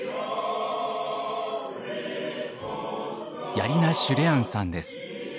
ヤリナ・シュレアンさんです。